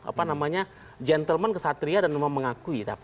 apa namanya gentleman kesatria dan memang mengakui